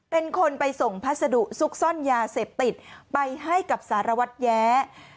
เป็นคนไปส่งพัสดุซุกซ่อนยาเสพติดไปให้กับสารวัตรแย้